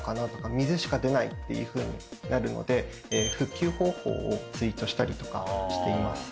っていうふうになるので復旧方法をツイートしたりとかしています。